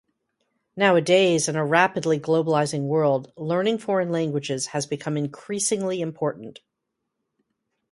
Nowadays, in our rapidly globalizing world, learning foreign languages has become increasingly important.